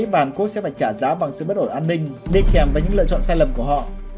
trả giá bằng sự bất ổn an ninh đi kèm với những lựa chọn sai lầm của họ